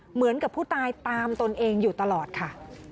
เหมือนกับผู้ตายตามตนเองอยู่ตลอดค่ะ